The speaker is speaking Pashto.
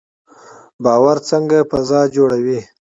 باور څنګه فضا جوړوي؟